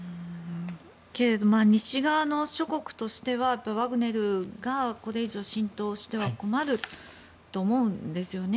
けれど、西側諸国としてはワグネルがこれ以上浸透しては困ると思うんですよね。